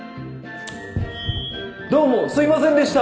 どうもすいませんでした！